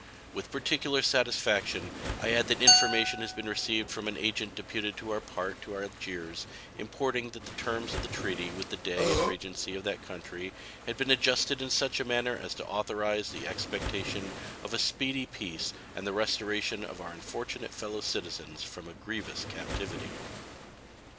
With peculiar satisfaction I add that information has been received from an agent deputed on our part to Algiers importing that the terms of the treaty with the Dey and Regency of that country had been adjusted in such a manner as to authorize the expectation of a speedy peace and the restoration of our unfortunate fellow citizens from a grievous captivity.